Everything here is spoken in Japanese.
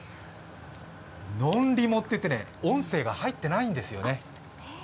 ノンリモっていって、音声が入ってないんですね。